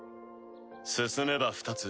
進めば２つ。